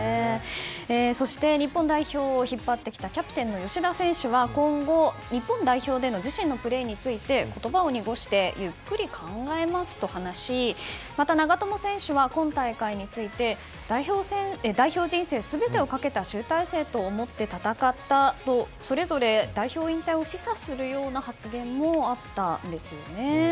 そして、日本代表を引っ張ってきたキャプテンの吉田選手は今後日本代表での自身のプレーについて言葉を濁してゆっくり考えますと話しまた長友選手は今大会について代表人生全てをかけた集大成と思って戦ったとそれぞれ代表引退を示唆するような発言もあったんですよね。